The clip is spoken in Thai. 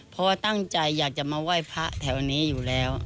เพราะว่าตั้งใจอยากจะมาไหว้พระแถวนี้อยู่แล้ว